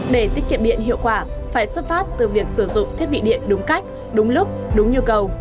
để tiết kiệm điện hiệu quả phải xuất phát từ việc sử dụng thiết bị điện đúng cách đúng lúc đúng nhu cầu